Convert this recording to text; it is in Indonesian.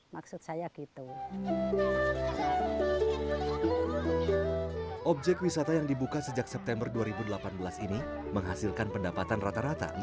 maksud saya gitu objek wisata yang dibuka sejak september dua ribu delapan belas ini menghasilkan pendapatan rata rata